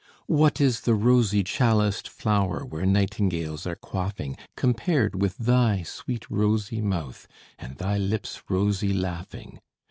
What is the rosy chaliced flower, where nightingales are quaffing, Compared with thy sweet rosy mouth, and thy lips' rosy laughing?